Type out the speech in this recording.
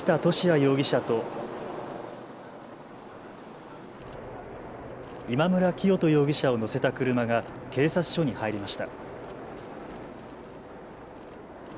容疑者と今村磨人容疑者を乗せた車が警察署に入りました。